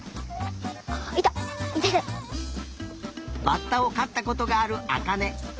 バッタをかったことがあるあかね。